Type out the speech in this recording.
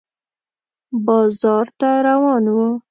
بازار ته روان و